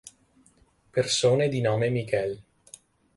Persone di nome Miguel